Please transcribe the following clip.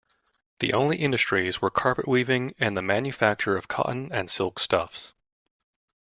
The only industries were carpetweaving and the manufacture of cotton and silk stuffs.